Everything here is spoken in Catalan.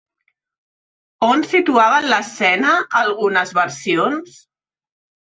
On situaven l'escena algunes versions?